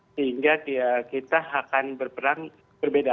sehingga kita akan berperang berbeda